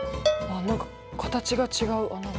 何か形が違う穴が。